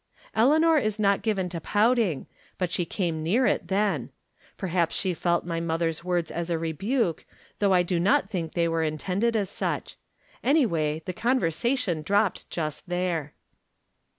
Eleanor is not given to pouting, but she came near it then. Perhaps she felt my mother's words as a rebuke, though I do not think they were intended as such. Anyway, the conversa tion dropped just there